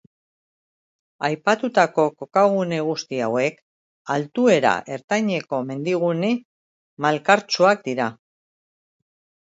Aipatutako kokagune guzti hauek, altuera ertaineko mendigune malkartsuak dira.